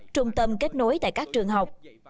trung tâm kết nối tại các trường học